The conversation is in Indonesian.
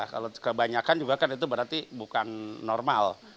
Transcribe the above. kalau kebanyakan juga kan itu berarti bukan normal